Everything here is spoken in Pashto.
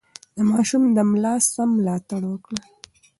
د ماشوم د ملا سم ملاتړ وکړئ.